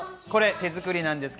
手作りですか？